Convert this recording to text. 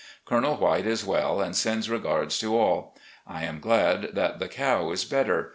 Colonel White is well and sends regards to all. I am glad that the cow is better.